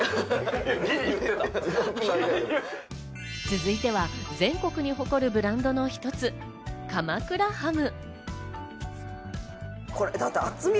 続いては全国に誇るブランドの一つ、鎌倉ハム。